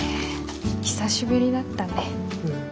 久しぶりだったね。